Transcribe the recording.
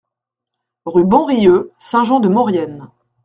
Rue Bonrieux, Saint-Jean-de-Maurienne